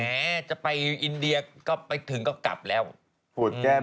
แหมจะไปอินเดียไปถึงก็กลับแหละ